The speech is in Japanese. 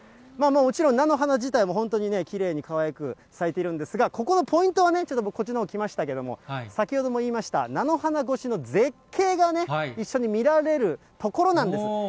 もちろん、菜の花自体も本当にきれいにかわいく咲いているんですが、ここのポイントはね、ちょっと僕、こっちのほう来ましたけれども、先ほども言いました菜の花越しの絶景が一緒に見られる所なんです。